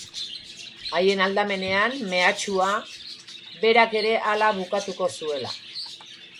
Haien aldamenean mehatxua, berak ere hala bukatuko zuela.